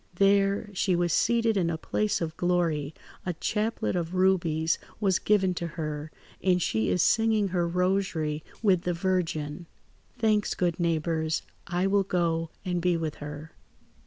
"There, she was seated in a place of glory, a chaplet of rubies was given to her, and she is singing her rosary with the Virgin. "Thanks, good neighbours. I will go and be with her."